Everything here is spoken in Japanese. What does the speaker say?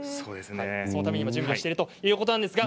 そのために準備をしているということです。